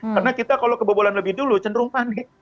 karena kita kalau kebobolan lebih dulu cenderung panik